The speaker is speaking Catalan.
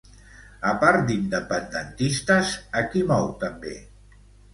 A part d'independentistes, a qui mou també?